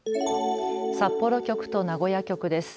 札幌局と名古屋局です。